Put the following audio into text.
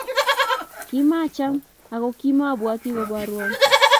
Kimachaman aku kimaiboti koborwon